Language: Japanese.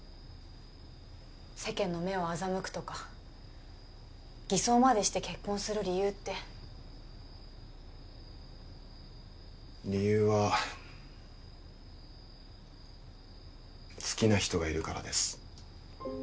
世間の目を欺くとか偽装までして結婚する理由って理由は好きな人がいるからです